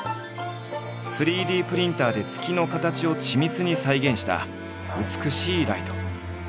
３Ｄプリンターで月の形を緻密に再現した美しいライト。